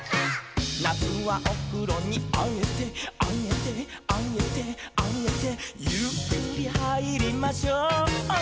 「なつはおふろにあえてあえてあえてあえて」「ゆっくりはいりましょう」